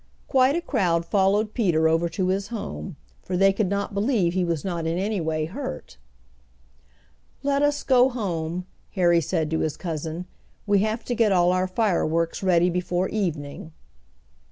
Quite a crowd followed Peter over to his home, for they could not believe he was not in any way hurt. "Let us go home," Harry said to his cousin. "We have to get all our fireworks ready before evening."